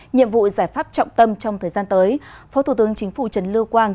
nhiệm vụ giải pháp trọng tâm trong thời gian tới phó thủ tướng chính phủ trần lưu quang